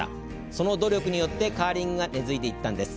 その努力によって、カーリングが根づいていったのです。